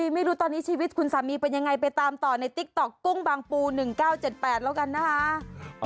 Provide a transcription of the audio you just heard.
ไม่รู้ตอนนี้ชีวิตคุณสามีเป็นยังไงไปตามต่อในติ๊กต๊อกกุ้งบางปู๑๙๗๘แล้วกันนะคะ